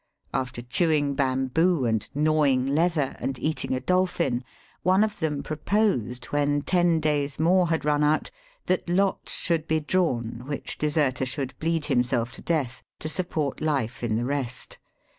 After chewing bamboo, and gnawing leather, and eating a dolphin, one of them proposed, when ten days more had run out, that lots should be drawn which deserter should bleed himself to death, to support life in the rest.